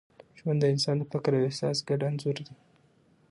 ژوند د انسان د فکر او احساس ګډ انځور دی.